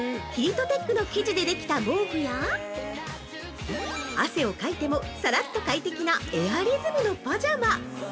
ヒートテックの生地でできた毛布や、汗をかいてもサラッと快適なエアリズムのパジャマ。